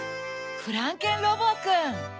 フランケンロボくん！